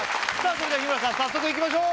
それでは日村さん早速いきましょう！